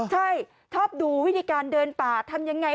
ใช่ชอบดูวิธีการเดินป่าทำยังไง